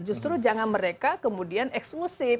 justru jangan mereka kemudian eksklusif